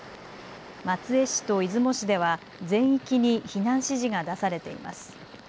松江市と出雲市では全域に避難指示が出されています。